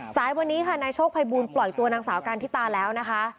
สายวันนี้ค่ะนายโชคภัยบูลปล่อยตัวนางสาวการทิตาแล้วนะคะ